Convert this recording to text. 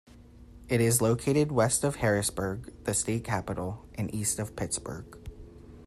It is located west of Harrisburg, the state capital, and east of Pittsburgh.